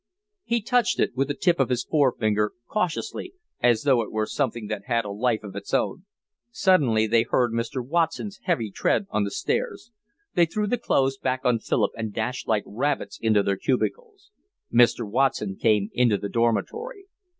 He touched it with the tip of his forefinger, cautiously, as though it were something that had a life of its own. Suddenly they heard Mr. Watson's heavy tread on the stairs. They threw the clothes back on Philip and dashed like rabbits into their cubicles. Mr. Watson came into the dormitory.